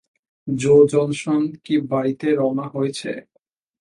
জো Johnson কি বাড়িতে রওনা হয়েছে?